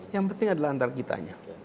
yang penting adalah antar kitanya